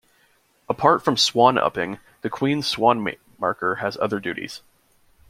Apart from Swan Upping, The Queen's Swan Marker has other duties.